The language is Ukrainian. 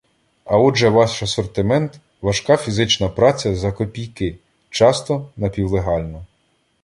А отже ваш асортимент – важка фізична праця за копійки, часто — напівлегально